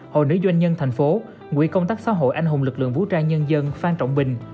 hội nữ doanh nhân thành phố quỹ công tác xã hội anh hùng lực lượng vũ trang nhân dân phan trọng bình